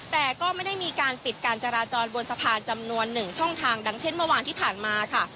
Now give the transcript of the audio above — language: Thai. แต่ก็ไม่ได้มีการปิดการจราจรบนสะพานจำนวน๑ช่องทางดังเช่นเมื่อวานที่ผ่านมาค่ะ